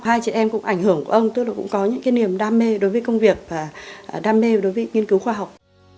hai chị em cũng ảnh hưởng của ông tức là cũng có những cái niềm đam mê đối với công việc và đam mê đối với nghiên cứu khoa học